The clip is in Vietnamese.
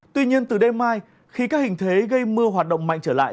tuy nhiên từ đêm mai khi các hình thế gây mưa hoạt động mạnh trở lại